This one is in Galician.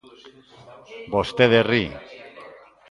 Vostede ri.